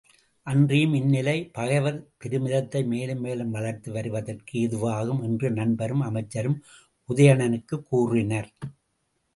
அன்றியும் இந்நிலை, பகைவர் பெருமிதத்தை மேலும் மேலும் வளர்த்து வருவதற்கு ஏதுவாகும் என்று நண்பரும் அமைச்சரும் உதயணனுக்குக் கூறினர்.